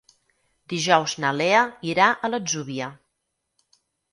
Dijous na Lea irà a l'Atzúbia.